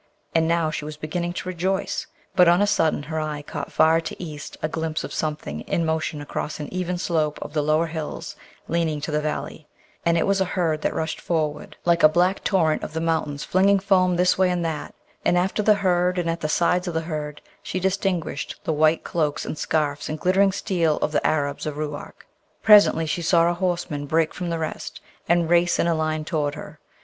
And now she was beginning to rejoice, but on a sudden her eye caught far to east a glimpse of something in motion across an even slope of the lower hills leaning to the valley; and it was a herd that rushed forward, like a black torrent of the mountains flinging foam this way and that, and after the herd and at the sides of the herd she distinguished the white cloaks and scarfs and glittering steel of the Arabs of Ruark. Presently she saw a horseman break from the rest, and race in a line toward her.